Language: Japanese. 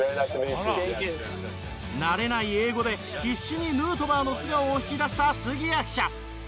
慣れない英語で必死にヌートバーの素顔を引き出した杉谷記者。